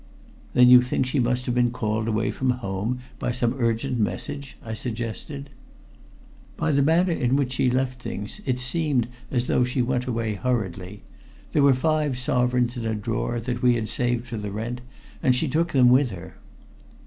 "Then you think she must have been called away from home by some urgent message?" I suggested. "By the manner in which she left things, it seemed as though she went away hurriedly. There were five sovereigns in a drawer that we had saved for the rent, and she took them with her."